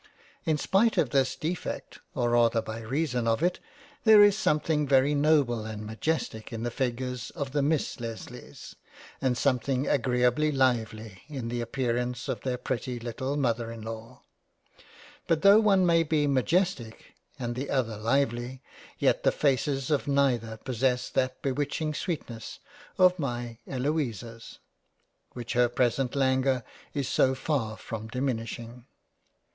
In spite of this Defect (or rather by reason of it) there is something very noble and majestic in the figures of the Miss Lesleys, and something agreably lively in the appearance of their pretty little Mother in law. But tho' one may be majestic and the other lively, yet the faces of neither possess that Bewitching sweetness of my Eloisas, which her present languor is so far from diminushing.